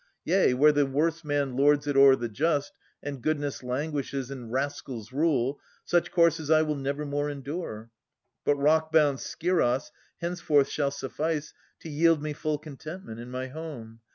Yea, where the worse man lords it o'er the just, And goodness languishes and rascals rule, — Such courses I will nevermore endure. But rock bound Scyros henceforth shall suffice To yield me full contentment in my home.